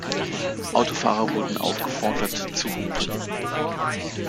Autofahrer wurden aufgefordert zu hupen.